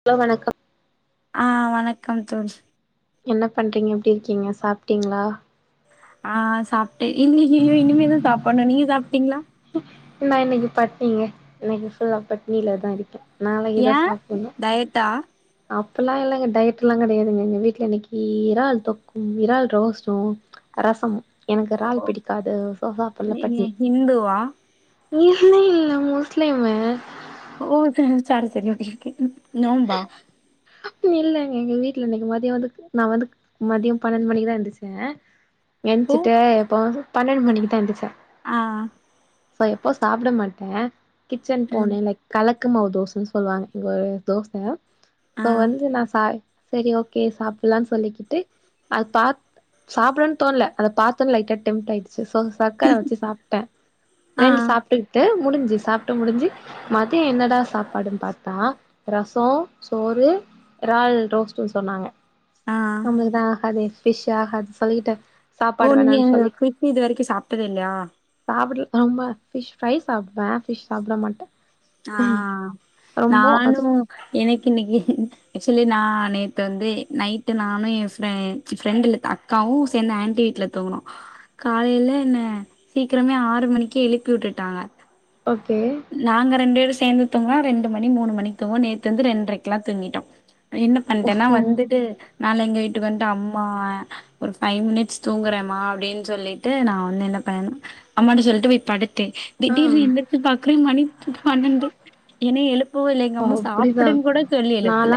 Hello வணக்கம் ஆ வணக்கம், தோழி. என்ன பண்ணுறீங்க எப்டி இருக்கீங்க, சாப்டீங்களா ஆ சாப்டே இன்னிக்கி ஐயோ இனிமேதா சாப்பணு நீங்க சாப்டீங்களா நா இன்னைக்கி பட்னீங்க. இன்னைக்கு ஃபுல்லா பட்டினில தா இருக்கே. நாளைக்கி தா ஏ சாப்பிணு. டயட்டா அப்டிலா இல்லங்க டயட் எல்லா கெடயாதுங்க எங்க வீட்ல இன்னைக்கி இறால் தொக்கும் இறால் ரோஸ்டு ரசமு, எனக்கு இறால் பிடிக்காது. சோ சாப்பில்ல பட்டினி. இந்துவா இந்து இல்ல முஸ்லீம்மு ஓ ச சாரி செரியா ஓகே நோம்பா இல்லைங்க எங்க வீட்டுல, இன்னைக்கு மதியோ வந்து நா வந்து மதியோ பன்னெண்டு மணிக்குதா எந்துருச்சே ஓ எந்ச்சிட்டு எப்போ பன்னெண்டு மணிக்குதா எந்துச்சே ஆ சோ எப்போ சாப்ட மாட்டே கிச்சன் ம் போனே லைக். கலக்குமாவு தோசன்னு சொல்லுவாங்க. எங்க ஒ தோச ஆ சோ வந்து நா சா செரி ஓகே, சாப்பில்லானு சொல்லிக்கிட்டு அது பாத். சாப்டணுன் தோண்ல, அத பாத்தது லைட்டா டெம்ட் ஆயிடுச்சு, சோ, சக்கர வச்சு சாப்ட்டே ஆ ரெண்டு சாப்ட்டு ட்டு முடிஞ்சு, சாப்ட்டு முடிஞ்சு, மதிய என்னடா சாப்பாடுன்னு பாத்தா, ரசோ, சோறு, இறால் ரோஸ்டுன் சொன்னாங்க. ஆ நம்மளுக்குதா ஆகாதே. ஃபிஷ் ஆகாது சொல்லிட்டு ஓ சாப்பாடு நீ வேணான்னு சொல்லி ஃபிஷ் இது வரைக்கு சாப்ட்டதே இல்லையா? சாப்பிட்ல, ரொம்ப ஃபிஷ் ஃப்ரை சாப்புடுவே. ஃபிஷ் சாப்பிட மாட்டே ஆ ரொம்ப அது நானு, எனக்கு இன்னிக்கு, ஆக்சுலி நா நேத்து வந்து நைட்டு நானு எ ஃப்ரெ ஃப்ரெண்ட் இல்ல தா அக்காவு சேந்து ஆண்டி வீட்டுல தூங்குனோ காலையில என்ன சீக்கிரமே ஆறு மணிக்கே எழுப்பி விட்டுட்டாங்க ஓகே. நாங்க ரெண்டு பேரு சேர்ந்து தூங்குனா, ரெண்டு மணி மூணு மணிக்கு தூங்குவோ. நேத்து வந்து ரெண்ட்ரைக்கெல்லா தூங்கிட்டோ என்ன பண்ட்டேன்னா ஓஹோ வந்துட்டு நா எங்க வீட்டுக்கு வந்ட்டு அம்மா, ஒரு ஃபைவ் மினிட்ஸ் தூங்குறேமா அப்டின்னு சொல்லிட்டு, நா வந்து என்ன பண்ணேனா அம்மாட்டா சொல்லிட்டு போய் படுத்தே. ஆ திடீர்னு எந்திரச்சு பாக்குறே. மணி பண்னெண்டு என்ன எழுப், பவே இல்ல, எங்க அம்மா சாப்புடுன்னு கூட சொல்லி எழுப்புல.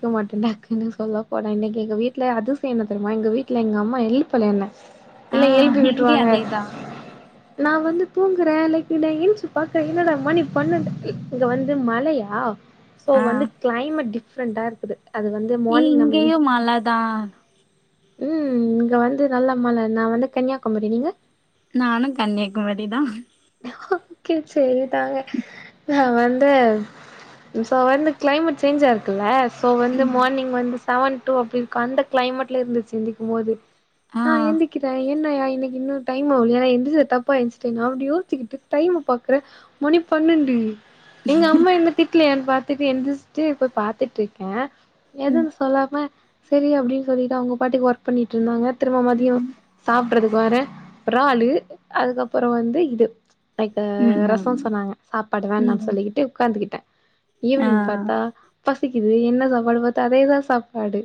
இருக்க மாட்டே டக்குனு சொல்ல போனே இன்னைக்கு எங்க வீட்டுல அதிசய என்ன தெரியுமா? எங்க வீட்டுல எங்க அம்மா எழுப்பல என்ன. ஆ இல்ல எழுப்பி இங்கயு விட்ருவாங்க அதேதா நா வந்து தூங்குறே லைக் நா ஏன்சு பாக்கறே என்னடா மணி பன்னென்டு இங்க வந்து மழையா யா சோ ஆ வந்து கிளைமட் டிஃப்ரெண்டா இருக்குது அது வந் எ இங்கெயு மழதா ம் இங்க வந்து நல்ல மழ நா வந்து கன்னியாகுமரி நீங்க நானு கன்னியாகுமரி தா ஓகே சரி தாங்க நா வந்து சோ வந்து கிளைமேட் சேஞ்ச் ஆயிருக்குல்ல சோ வந்து மார்னிங் வந்து செவன் டூ அப்டி இருக்கு அந்த கிளைமேட்ல இருந்துச்சு எந்திரிகும் போது ஆ நா எந்திக்கிறே என்னயா இன்னைக்கு இன்னு டைம் ஆவலயா எந்துச்ச தப்பா எந்துச்சுட்டேனா அப்டி யோ ச்சிக்கிட்டு டைம் பாக்குற மணி பன்னெண்டு எங்க அம்மா என்ன திட்லயான்னு பாத்துட்டு எழுந்திச்ட்டு போய் பாத்துட்டு இருக்கே ம் எதுவு சொல்லாம செரி அப்டின்னு சொல்லிட்டு அவங்க பாட்டுக்கு ஒர்க் பண்ணிட்டு இருந்தாங்க திரும்ப மதியோ ம் சாப் றதுக்கு வரே இறாலு அதுக்கப்புறோ வந்து இது லைக்கு ம் ம் ரசோ சொன்னாங்க சாப்பாடு வேணுான்னு ம் சொல்லிக்கிட்டு உக்காந்துக்கிட்டே ஈவினிங் ஆ பாத்தா பசிக்குது என்ன சாப்பாடு பாத்தா அதேதா சாப்பாடு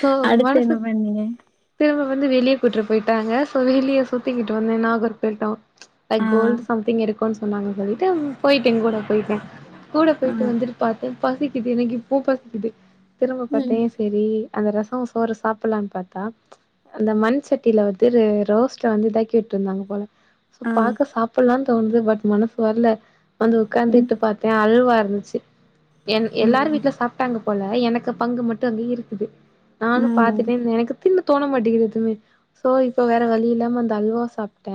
சோ அடுத்து என்ன மனசு பண்ணீங்க திரும்ப வந்து வெளியே கூட்டுனு போயிட்டாங்க சோ வெளியே சுத்திக்கிட்டு வந்தே நாகூர் போயிட்டோ லைக் ஆ கோல்டு சம்திங் எடுக்கோன்னு சொன்னாங்க சொல்லிட்டு போயிட்டே கூட போயிட்டே கூட ஆ போயிட்டு வந்து பாத்தே பசிக்குது எனக்கு இப்போ பசிக்குது திரும்ப பாத்தே ம் செரி அந்த ரசோ சோறு சாப்புலான்னு பாத்தா அந்த மண் சட்டில வந்து ரோஸ்ட் வந்து இதாக்கி விட்ருந்தாங்க போல சோ ஆ பாக்க சாப்பல்லானு தோணுது பட் மனசு வர்ல வந்து ம் உக்காந்துட்டு பா எ அல்வா இருந்துச்சு என் எல்லாரு ம் வீட்ல சாப் ட்டாங்க போல எனக்கு பங்கு மட்டு அங்க இருக்குது நானு ம் பாத்துட்டேந்த எனக்கு தின்ன தோண மாட்டிகிது தோழி ஸோ இப்ப வேற வழி இல்லாம அந்த அல்வா சாப்ட்ட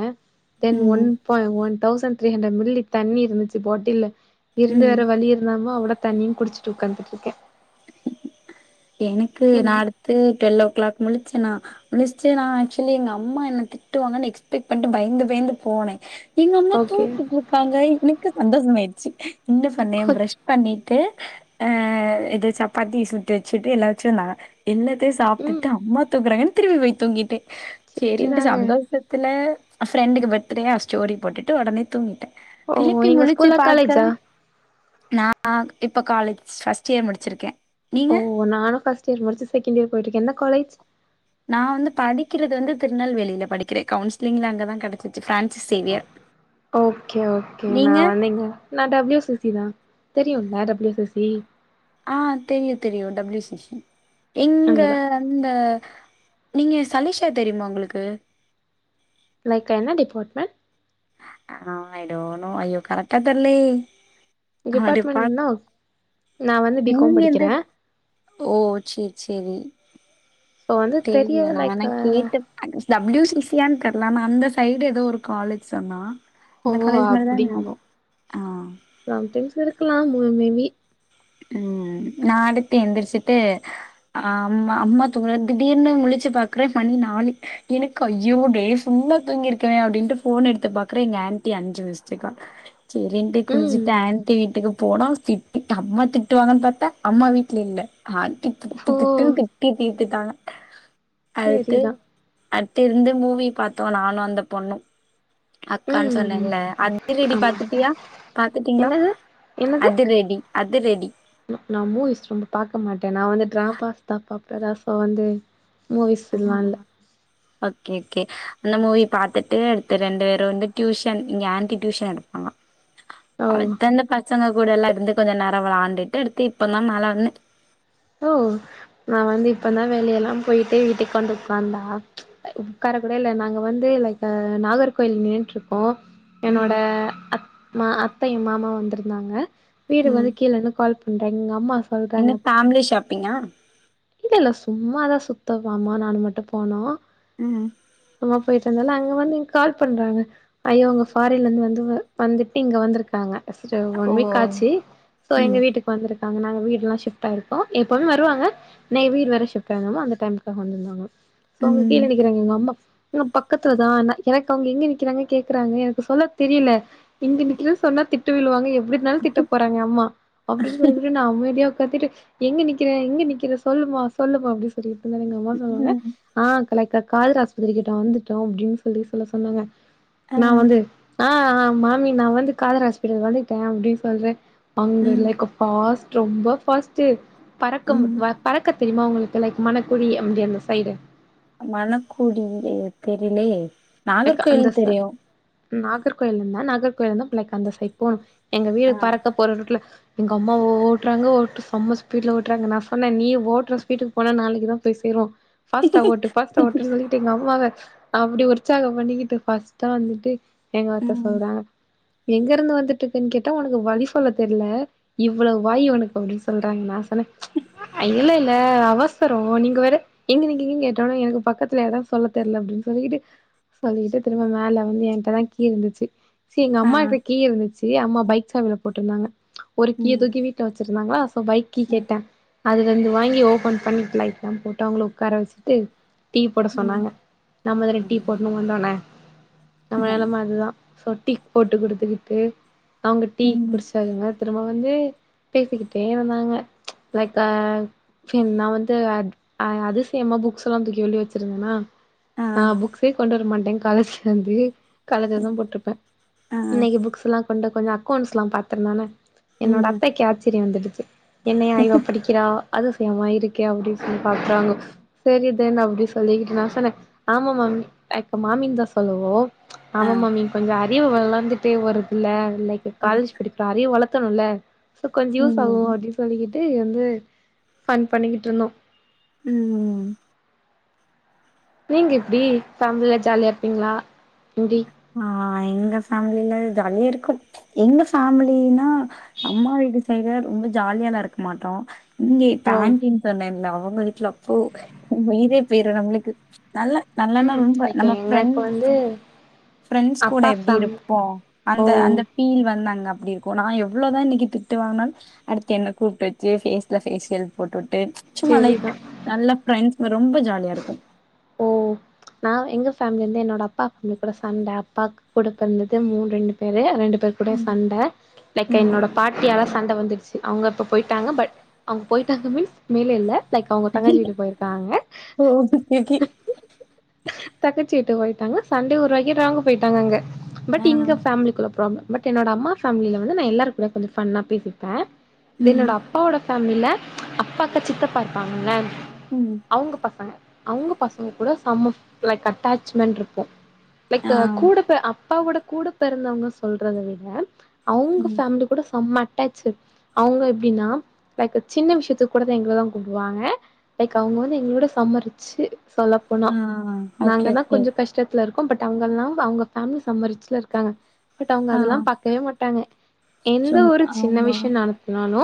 தென் ஒன் ம் ப one thousand three hundred milli தண்ணி இருந்துச்சு பாட்டில்ல இருந்து ம் வேற வழி இல்லாம அவ்ள தண்ணியு குடிச்சிட்டு உக்காந்துட்ருக்க எனக்கு ம் நா அடுத்து டுவெல் ஓ க்ளாக் முழிச்சனா முழிச்ட்டு நா ஆக்சுலி எங்க அம்மா என்ன திட்டுவாங்கன்னு எக்ஸ்பெக்ட் பண்ட்டு பயந்து பயந்து போனே எங்க அம்மா ஓகே தூங்கிட்டுருக்காங்க எனக்கு சந்தோஷமாயிடுச்சு என்ன பண்ணே ப்ரஷ் பண்ணி ட்டு ஆ இது சப்பாத்தி சுட்டு வச்சுட்டு எல்லா வச்சுருந்தாங்க எல்லாத்தையு ம் சாப்டுட்டு அம்மா தூங்கறாங்கன்னு திரும்பி போய் தூங்கிட்டே சரின்னுட்டு இதாங்க சந்தோஷத் துல ஃப்ரெண்டுக்கு பர்த்டேயா ஸ்டோரி போட்டுட்டு ஒடனே தூங்கிட்ட ஓ திருப்பி நீங்க முழிச்சி ஸ்கூலா பாக்கற காலேஜா நா ஆ இப்ப காலேஜ் ஃபர்ஸ்ட் இயர் முடிச்சிருக்க. நீங்க? ஒ நானு ஃபர்ஸ்ட் இயர் முடிச்சு செகண்ட் இயர் போயிட்டுருக்கே எந்த காலேஜ் நா வந்து படிக்கிறது வந்து திருநெல்வேலில படிக்கிறே கவுன்சிலிங்ல அங்கதா கெட சிச்சி ஃப்ரான்சிஸ்ஸே ஓகே ஓகே நா நீங்க வந்து இங்க நா டபள்யூ சி சி தா தெரியுல டபள்யூ சி சி ஆ தெரியு தெரியு டபள்யூ சி சி எங்க அங்கதா இந்த நீங்க சலீஷா தெரியுமா உங்களுக்கு லைக் என்ன டிபார்ட்மெண்ட் ஆ அய் டோணோ அய்யோ கரக்டா தெர்லயே அடேப்பா டிபார்ட்மெண்ட்ன்னா நா வந்து பி காம் நீங்க படிக்கிற எந்த ஓ சேரி சேரி சோ வந்து தெரிய தெர்ல நா லைக் வேண்ணா கேட்டு டபுள்யூ சி சி யான் தெர்ல ஆனா அந்த சைடு எதோ ஒரு காலேஜ் சொன்னா ஓ இந்த காலேஜ் மாரிதா அப்டிங் நாபகோ ஆ சம்டைம்ஸ் இருக்கலாமோ மேபி ம் நா அடுத்து எந்திரிச்சுட்டு ஆ அம்மா அம்மா தூங்குதே திடீர்னு முழிச்சு பாக்குற மணி நாலு எனக்கு ஐயோ டே ஃபுல்லா தூங்கிருக்கனே அப்டின்னுட்டு ஃபோன் எடுத்து பாக்குறே எங்க ஆன்டி அஞ்சு மிஸ்ட்டுகால் சேரின்ட்டு ம் குளிச்சுட்டு ஆண்ட்டி வீட்டுக்கு போன திட்டு சம்ம திட்டுவாங்கன்னு பாத்தா அம்மா வீட்ல இல்ல ஆண்டி திட்டு ஓ திட்டுன்னு திட் டி தீத்துட்டாங்க அடுத்து சேரிதா அடுத்து இருந்து மூவி பாத்தோ நானு அந்த பொண்ணு அக்கான்னு ம் சொன்னல அதி ரெடி ஆமா பாத்துட்டியா பாத்துட்டீங்களா என்னது என்னது அதுரெடி அதுரெடி நா மூவிஸ் ரொம்ப பாக்க மாட்ட நா வந்து டிராபாஸ்தா பாப்ப எதா சாந்து மூவிஸ்ல்லா இல்ல ஓகே ஓகே அந்த மூவி பாத்துட்டு அடுத்து ரெண்டு பேரு வந்து டியூஷன் இங்க ஆன்ட்டி டியூஷன் எடுப்பாங்கா ஓ அவர் தந்த பசங்க கூட எல்லா இருந்து கொஞ்ச நேரோ வெளாண்டுட்டு அடுத்து இப்ப தா மேல வந்த ஓ நா வந்து இப்ப தா வெளியெல்லா போய்ட்டு வீட்டுக்கு வந்து உக்காந்தா உக்காரக்கூட இல்ல நாங்க வந்து லைக் நாகர்கோவில் நின்டுருக்கோ என்னோட ம் அத் மா அத்தையு மாமாவு வந்திருந்தாங்க வீடுக்கு ம் வந்து கீழ இருந்து கால் பண்றங் எங் அம்மாஸ் என்ன ஃபேமிலி ஷாப்பிங்கா இல்ல இல்ல சும்மாதா சுத்தப்போனோமா நா மட்டு போனோ ம் சும் போயிட்டு வந்தேல்ல அங்க வந்து எனக் கால் பண்றாங்க ஐயோ அவுங்க ஃபாரின்ல இருந்து வந்து வந்துட்டு இங்க வந்திருக்காங்க ட்டோ ஒன் ஓ வீக் ஆச்சு சோ எங்க ம் வீட்டுக்கு வந்திருக்காங்க நாங்க வீடுலா ஷிஃப்ட் ஆயிருக்கோ எங் எப்பவுமே வருவாங்க இன்னைக்கு வீடு வேற ஷிப்ட் ஆயி இருந்தமா அந்த டைமுக்காக வந்திருந்தாங்க சோ அவுங்க கீழ ம் நிக்கிறாங்க எங்க அம்மா இன்னு பக்கத்துலதா ஆனா எனக் அவுங்க எங்க நிக்கிறாங்க கேக்குறாங்க எனக்கு சொல்ல தெரில இங்க நிக்குறேன் சொன்னா திட்டு விழுவாங்க எப்டிப் நாலு திட்ட போறாங்க எயா அம்மா அப்டின்னு சொல்லிட்டு நா அமைதிய ஒக்காதிட்டு எங்க நிக்க நிக்கிற எங்க நிக்கிற சொல்லுமா சொல்லுமா அப்டி சொல்லிட்டு இருந்தா எங்க அம்மா சொல்லுவாங்க ம் ஆ கலைக்க கால்ரா ஆஸ்பத்திரி கிட்ட வந்துட்டோ அப்டின்னு சொல்லி சொல்ல சொன்னாங்க ஆ நா வந்து ஆ ஆ மாமி நா வந்து காலரா ஹாஸ்பிட்டல் வந்துட்டே அப்டின்னு சொல்றே அங்க ம் லைக்க பாஸ்ட் ரொம்ப பாஸ்ட்டு பறக்கம் ம் வ பறக்க தெரியுமா உங்களுக்கு லைக் மணக்குழி அப்டி அந்த சைடு மணக்குழி எங்கே தெரிலே லைக் அந்த ச நாகர்கோவில்ல இருந்தா நாகர்கோயில இருந்தக் லைக் அந்த சைட் போணு எங்க வீடு ஆ பறக்க போற ரூட்ல எங்க அம்மா ஓட்டுறாங்க ஓட்டு செம்ம ஸ்பீட்ல ஓட்டுறாங்க நா சொன்னே நீ ஓட்டுற ஸ்பீடுக்கு போன நாளைக்கு தா போய் சேறுவோ ஃபாஸ்ட்டா ஓட்டு ஃபாஸ்ட்டா ஓட்டுன்னு சொல்லிக்கிட்டு எங்க அம்மாவ அப்டி ஒரு உச்சாகோ பண்ணிக்கிட்டு ஃபாஸ்ட்டா வந்துட்டு எங்க அத்த ம் சொல்றாங்க எங்கருந்து வந்துட்டிருக்கன் கேட்டா உனக்கு வழி சொல்ல தெர்ல இவ்ளோ வாயி உனக்கு அப்டின்னு சொல்றாங்க நா சொன்னே இல்ல இல்ல அவசரோ நீங்க வேற எங்க நிக்கிங்கன்னு கேட்ட ஒட்னே எனக்கு பக்கத்துல எடோ சொல்ல தெர்ல அப்டின்னு சொல்லிகிட்டு சொல்லிட்டு திரும்ப மேல வந்து என்கிட்ட தா கீ இருந்துச்சி சி எங்க ஆ அம்மாகிட்ட தா கீ இருந்துச்சி சேரி அம்மா பைக் சாவில போட்டிருந்தாங்க ஒரு கீய ம் தூக்கி வீட்டுல வெச்சிருந்தாங்களா சோ பைக் கீ ம் கேட்டே அதுல இருந்து வாங்கி ஓபன் பண்ணிட்டு லைட்லாம் போட்டு அவுங்கள ஒக்கார வெச்சிட்டு டீ போட ம் சொன்னாங்க நம்மதானே டீ போட்ணு வந்த ஒட்ன நம்ம ம் நெலம அதுதா சோ டீ போட்டு குடுத்துக்கிட்டு அவுங்க டீ ம் குடிச்சாங்க திரும்ப வந்து பேசிக்கிட்டே வந்தாங்க லைக் ஆ என் நா வந்து அத் அதிசயமா புக்ஸ் எல்லா தூக்கி வெளிய வெச்சிருந்தேனா ஆ நா புக்ஸே கொண்டு வர மாட்டே காலேஜ்லருந்து காலேஜ்லே தா போட்டிருப்பே ஆ இன்னைக்கு புக்ஸ்லா கொண்டு கொஞ்சோ அக்கௌண்ட்ஸ்லா பாத்த நானு என்னோட ம் அத்தைக்கு ஆச்சரியோ வந்துடுத்து என்னையா இவ படிக் கிறா அதுசயமா இருக்கே அப்டின்னு சொல்லி பாக்குறாங்கோ சேரித்தே அப்டினு சொல்லிக்கிட்டு நா சொன்னே ஆமா மாமி லைக் மாமின் தா சொல்லுவோ ஆ ஆமா மாமி கொஞ்சோ அறிவு வளந்துட்டே வருதுல்ல லைக் ஆ காலேஜ் படிக்கிறோ அறிவு வளத்துணு இல்ல சோ கொஞ்சோ யூஸ் ஆவு ம் அப்டின் சொல்லிக்கிட்டு வந்து ஃபன் பண்ணிக்கிட்டு இருந்தோ ம் நீங்க எப்டி ஃபேமிலில ஜாலியா இருப்பீங்களா எப்டி ஆ எங்க ஃபேமிலில ஜாலிய இருக்கும் எங்க ஃபேமிலினா அம்மா வீட்டு சைடு ரொம்ப ஜாலியாலா இருக்க மாட்டோ இங்கே ஓ பேண்டின் சொன்னேன்ல்ல அவுங்க வீட்ல அப்போ உயிரே போயிரு நம்பளுக்கு நல்ல நல்லன்னா ம் ரொம்ப லைக் நம்ம எங்களுக்கு ஃப்ரண்ட்ஸ் வந்து ஃப்ரெண்ட்ஸ் கூட அப்பா எப்டி ஃபேம் இருப்போ அந்த அந்த ஓ ஃபீல் வந்தாங்க அப்டி இருக்கு நா எவ்ளோதா இன்னைக்கி திட்டு வாங்குனாலு அடுத்து என்ன கூப்ட்டு வச்சு ஃபேஸ்ல ஃபேஷியல் போட்டுவுட்டு சும்மா செரிதா லைட்டா நல்ல ஃப்ரெண்ட்ஸ்ஸுங்க ரொம்ப ஜாலியா இருக்கு ஓ நா எங்க ஃபேமி வந்து என்னோட அப்பா ஃபேமி கூட சண்ட அப்பாக் கூட பொறந்தது மூ ரெண்டு பேரு ரெண்டு பேரு கூடயு ம் சண்ட லைக் ம். என்னோட பாட்டியால சண்ட வந்துடுச்சு அவுங்க இப்ப போய்ட்டாங்க பட் அவுங்க போய்ட்டாங்க மீன்ஸ் மேல இல்ல லைக் அவுங்க தங்கச்சி வீட்டுக்கு போய்ருக்காங்க ஒ ஓ [unintelligible] தங்கச்சி வீட்டுக்கு போய்ட்டாங்க சண்டய உருவாக்கிட்டு அவுங்க போய்ட்டாங்க அங்க ஆ பட் இங்க ஃபேமிலிக்குள்ள ப்ராப்ளம் பட் என்னோட அம்மா ஃபேமில வந்து நா எல்லாரரு கூட கொஞ்சோ ஃபன்னா பேசிப்பே தென் ம். என்னோட அப் பாவோட ஃபேமிலில அப்பாக்கு சித்தப்பா இருப்பாங்கள்ள ம் ம் அவுங்க பசங்க அவுங்க பசங்க கூட சம் ஆஃ லைக் அட்டாச்மெண்ட்ருக்கு ஆ. லைக்க கூட பொ அப்பாவோட கூட பெறந்தவங்க சொல்றத விட அவுங்க ம். ஃபேமிலி கூட செம்ம அட்டாச்சு அவுங்க எப்டின்னா லைக்க சின்ன விஷ்யத்து கூடத எங்களதா கும்புடுவாங்க லைக் அவுங்க வந்து எங்களோட செம்ம ரிச்சு சொல்ல போனா ம் ம் ம் ஓக் நாங்க தா கொஞ்சோ கஷ்டத்துல இருக்கோ பட் அவுங்கல்லா அவுங்க ஃபேமிலி செம்ம ரிச்சில இருக்காங்க பட் அவுங்க ஆ. அதெல்லா பாக்கவே மாட்டாங்க எந்த சும் ஒரு சின்ன ஆமா. விஷ்ய நடத்துனாலு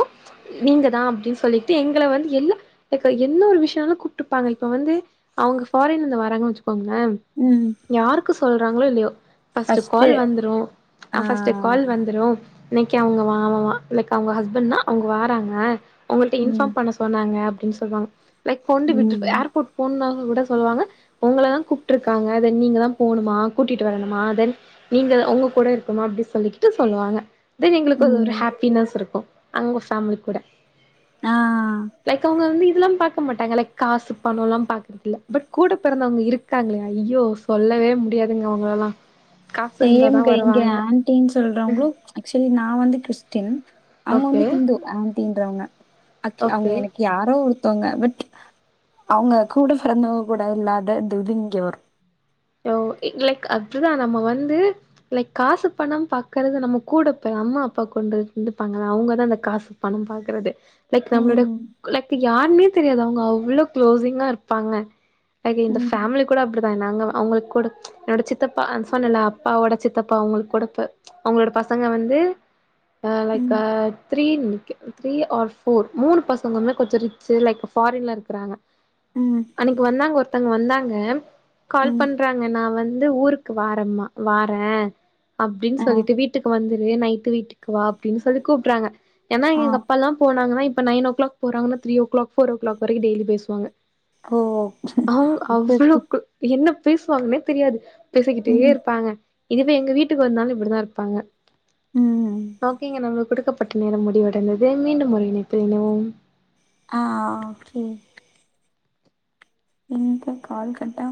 நீங்க தா அப்டின் சொல்லிட்டு எங்கள வந்து எல்லா லைக்க என்ன ஒரு விஷ்யனாலு கூப்ட்டுப்பாங்க இப்ப வந்து அவுங்க ஃபாரின்லேந்து வராங்கன்னு வச்சுக்கோங்களே ம் யாருக்கு சொல்றாங்களோ இல்லயோ ஃபர்ஸ்ட்டு கால் வந்துரு அ ஆ. ஃபர்ஸ்ட்டு கால் வந்துரு இன்னக்கி அவுங்க வா அவ வா லைக்க அவுங்க ஹஸ்பண்ட்னா அவுங்க வாராங்க உங்கள்ட இன்ஃபார்ம் ம். பண்ண சொன்னாங்க அப்டின் சொல்வாங்க லைக் கொண்டி விட்டு ம். ஏர்போர்ட் போணுணா விட சொல்லுவாங்க உங்கள தா கூப்ட்டுருக்காங்க தென் நீங்க தா போணுமா கூட்டிட்டு வரணுமா தென் நீங்க உங்க கூட இருக்குமா அப்டி சொல்லிக்கிட்டு சொல்வாங்க தென் எங்களுக்கு அது ஒரு ம். ஹாப்பினஸ் இருக்கு அவுங்க ஃபேமிலி கூட ஆ. லைக் அவுங்க வந்து இதுல்லா பாக்க மாட்டாங்க லைக் காசு பணோல்லா பாக்குறதில்ல பட் கூட பெறந்தவங்க இருக்காங்களா ஐயோ சொல்லவே முடியாதுங்க அவுங்களெல்லா செம்ங்க இங்கே ஆன்டின்னு சொல்றவங்களோ ஆக்சுவலி நா வந்து கிறிஸ்டின் அவுங்க ஓகே வந்து ஹிந்து ஆன்ட்டின்றவங்க அக்கி அவுங்க ஓகே எனக்கு யாரோ ஒருத்தங்க பட் அவுங்க கூட பொறந்தவங்க கூட இல்லாத இ இது இங்க வரு யா ஓ லைக் அதுதா நம்ம வந்து லைக் காசு பணம் பாக்குறது நம்ம கூட போ அம்மா அப்பா கொண்டு இருந்துப்பாங்க அவுங்கதா இந்த காசு பணோ பாக்குறது லைக் நம்பளோட ம். லைக் யாருமே தெரியாது அவுங்க அவ்ளோ க்ளோஸிங்கா இருப்பாங்க லைக்கு இந்த ம். ஃபேமிலி கூட அப்டிதா நாங்க அவுங்களுக் கொடுத் என்னோட சித்தப்பா அ சொன்னல்ல அப்பாவோட சித்தப்பா அவுங்களுக்கு கொடுப்பு அவுங்களோட பசங்க வந்து லைக் ஆ ம். த்ரீன் த்ரீ ஆர் ஃபோர் மூணு பசங்களுமே கொஞ்ச ரிச் சு லைக் ஃபாரின்ல இருக்குறாங்க ம் அன்னைக்கு வந்தாங்க ஒருத்தங்க வந்தாங்க கால் ம். பண்றாங்க நா வந்து ஊருக்கு வரேம்மா வாரே ஆ. அப்டின்னு சொல்லிட்டு வீ ட்டுக்கு வந்துரு நைட் வீட்டுக்கு வா அப்டின் சொல்லி கூப்ட்றாங்க ஏன்னா ஆ. எங்க அப்பால்லா போனாங்கன்னா இப்ப நைன் ஓ கிளாக் போறங்கன்னா three o'clock four o'clock வரைக்கு டெய்லி பேசுவாங்க ஓ! அவங்க ஓகே, ஓகே. அவ்ளக்கு என்ன பேசுவாங்கன்னே தெரியாது பேசிக்கிட்டே ம். இருப்பாங்க இதுவே எங்க வீட்டுக்கு வந்தாலு இப்டிதா இருப்பாங்க ம். ஓகேங்க நம்மளுக்கு குடுக்கப்பட்ட நேரம் முடிவடைந்தது மீண்டும் ஒரு இணைப்பில் இணைவோம் ஆ ம் ன் க கால் கட்டா